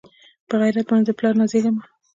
پۀ غېرت باندې د پلار نازېږه مۀ